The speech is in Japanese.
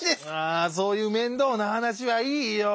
あそういう面倒なはなしはいいよ。